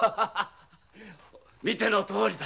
見てのとおりだ。